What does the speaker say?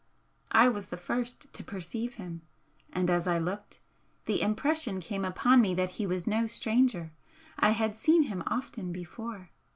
I was the first to perceive him, and as I looked, the impression came upon me that he was no stranger, I had seen him often before.